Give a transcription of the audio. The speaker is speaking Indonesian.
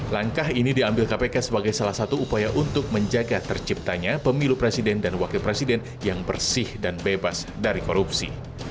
langkah ini diambil kpk sebagai salah satu upaya untuk menjaga terciptanya pemilu presiden dan wakil presiden yang bersih dan bebas dari korupsi